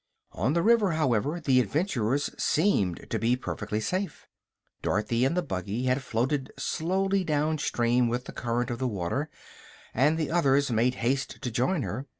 On the river, however, the adventurers seemed to be perfectly safe. Dorothy and the buggy had floated slowly down stream with the current of the water, and the others made haste to join her.